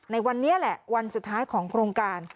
ในวันนี้แหละวันสุดท้ายของโครงการ